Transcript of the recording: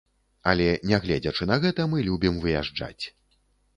Але, нягледзячы на гэта, мы любім выязджаць.